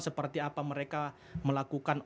seperti apa mereka melakukan